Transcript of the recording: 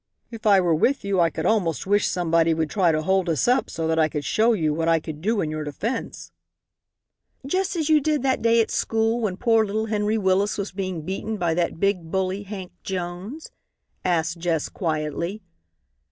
"If I were with you I could almost wish somebody would try to hold us up so that I could show you what I could do in your defence." "Just as you did that day at school when poor little Henry Willis was being beaten by that big bully Hank Jones?" asked Jess, quietly.